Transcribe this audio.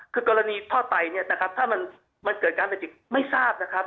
คือกรณีทอดไตเนี่ยนะครับถ้ามันเกิดการเป็นจริงไม่ทราบนะครับ